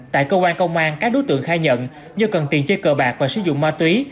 tại cơ quan công an các đối tượng khai nhận do cần tiền chơi cờ bạc và sử dụng ma túy